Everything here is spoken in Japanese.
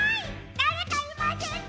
だれかいませんか！？